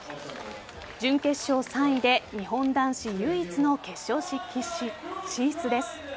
準決勝３位で日本男子唯一の決勝進出です。